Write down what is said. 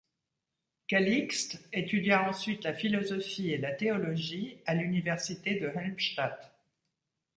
Calixt étudia ensuite la philosophie et la théologie à l'Université de Helmstadt.